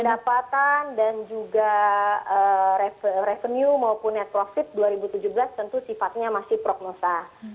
pendapatan dan juga revenue maupun net profit dua ribu tujuh belas tentu sifatnya masih prognosa